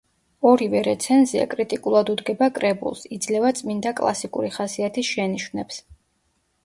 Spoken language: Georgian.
ორივე რეცენზია კრიტიკულად უდგება კრებულს, იძლევა წმნიდა მუსიკალური ხასიათის შენიშვნებს.